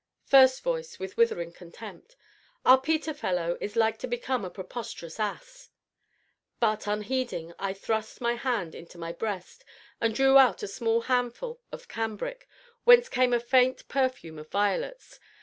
FIRST VOICE (with withering contempt). Our Peter fellow is like to become a preposterous ass. (But, unheeding, I thrust my hand into my breast, and drew out a small handful of cambric, whence came a faint perfume of violets.